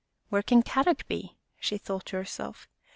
"Where can Kadok be?" she thought to herself.